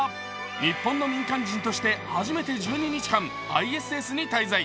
日本の民間人として初めて１７日間、ＩＳＳに滞在。